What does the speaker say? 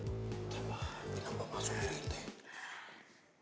tidak ada apa apa